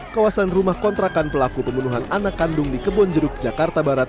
kawasan rumah kontrakan pelaku pembunuhan anak kandung di kebonjeruk jakarta barat